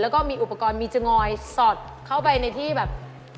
แล้วก็มีอุปกรณ์มีจงอยสอดเข้าไปในที่แบบ